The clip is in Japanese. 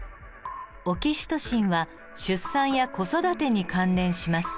オキシトシンは出産や子育てに関連します。